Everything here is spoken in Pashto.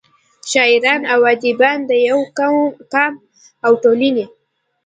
شاعران او اديبان دَيو قام او ټولنې